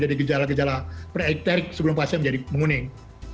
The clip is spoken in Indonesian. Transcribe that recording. jadi gejala gejala pre ecterik sebelum pasien menjadi menguning